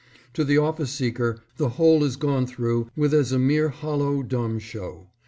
To the office seeker the whole is gone through with as a mere hollow, dumb show.